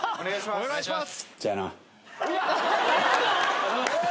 ・お願いします